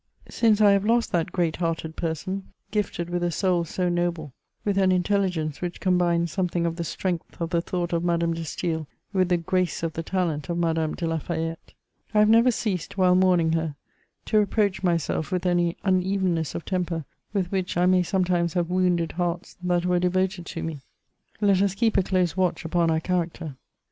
Since I have lost that great hearted person, gifted with a soul so noble, with an intelligence which combined something of the strength of the thought of Madame de Staël with the grace of the talent of Madame de La Fayette, I have never ceased, while mourning her, to reproach myself with any unevenness of temper with which I may sometimes have wounded hearts that were devoted to me. Let us keep a close watch upon our character!